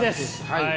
はい。